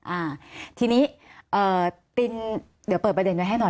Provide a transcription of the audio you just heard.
อ่าทีนี้เอ่อตินเดี๋ยวเปิดประเด็นไว้ให้หน่อย